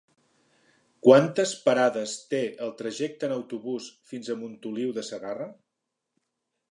Quantes parades té el trajecte en autobús fins a Montoliu de Segarra?